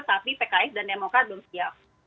tapi pks dan demokrat belum siap